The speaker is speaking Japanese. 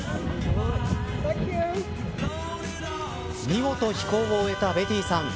見事飛行を終えたベティーさん